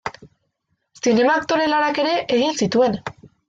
Zinema aktore lanak ere egin zituen.